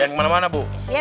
jangan kemana mana bu